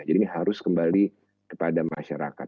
jadi ini harus kembali kepada masyarakat